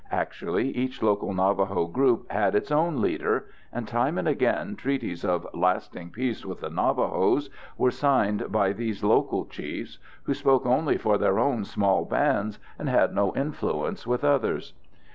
Actually, each local Navajo group had its own leader, and time and again treaties of "lasting peace with the Navajos" were signed by these local chiefs, who spoke only for their own small bands and had no influence with others.